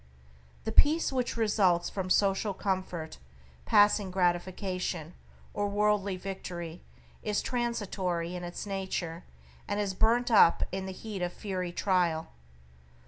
The peace which results from social comfort, passing gratification, or worldly victory is transitory in its nature, and is burnt up in the heat of fiery trial.